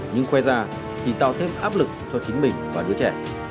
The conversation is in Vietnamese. nhưng khoe già chỉ tạo thêm áp lực cho chính mình và đứa trẻ